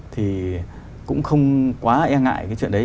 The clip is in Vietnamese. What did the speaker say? thì cũng không quá e ngại cái chuyện đấy